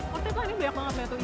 worth it lah ini biak banget ya